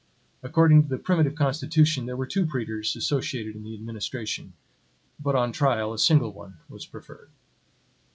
According to the primitive constitution, there were two praetors associated in the administration; but on trial a single one was preferred.